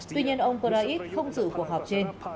tuy nhiên ông parait không giữ cuộc họp trên